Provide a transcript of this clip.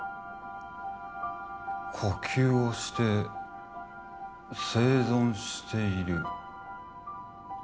呼吸をして生存している